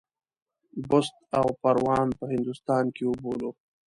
بُست او پروان په هندوستان کې وبولو.